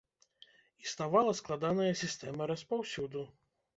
Існавала складаная сістэма распаўсюду.